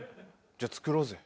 じゃあ作ろうぜ。